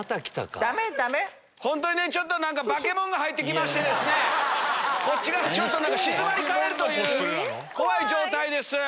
本当にちょっと化け物が入ってきましてこっち側静まり返るという怖い状態です。